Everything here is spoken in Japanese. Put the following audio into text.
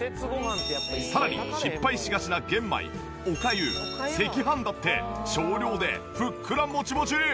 さらに失敗しがちな玄米おかゆ赤飯だって少量でふっくらモチモチ！